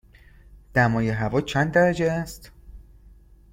دمای هوا چند درجه است؟